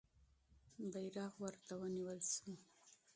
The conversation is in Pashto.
بیرغ ورته ونیول سو.